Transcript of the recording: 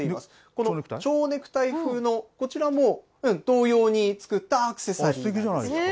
このちょうネクタイ風のこちらも、同様に作ったアクセサリーなんです。